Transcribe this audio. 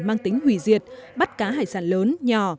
mang tính hủy diệt bắt cá hải sản lớn nhỏ